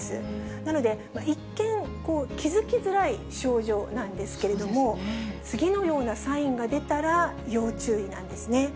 なので、一見、気付きづらい症状なんですけれども、次のようなサインが出たら要注意なんですね。